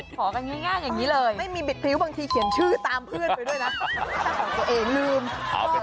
ขอกันง่ายอย่างนี้เลยไม่มีบิดพริ้วบางทีเขียนชื่อตามเพื่อนไปด้วยนะ